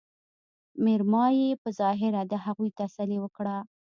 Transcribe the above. مېرمايي په ظاهره د هغوي تسلې وکړه